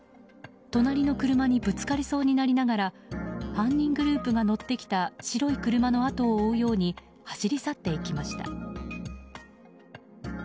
隣の車にぶつかりそうになりながら犯人グループが乗ってきた白い車のあとを追うように走り去っていきました。